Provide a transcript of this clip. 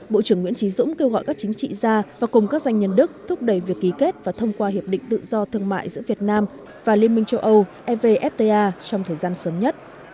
bộ trưởng nguyễn trí dũng kêu gọi các chính trị gia và cùng các doanh nhân đức thúc đẩy việc ký kết và thông qua hiệp định tự do thương mại giữa việt nam và liên minh châu âu evfta trong thời gian sớm nhất